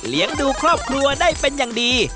ดูครอบครัวได้เป็นอย่างดี